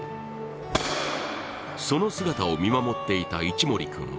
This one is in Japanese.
その姿を見守っていた一森君は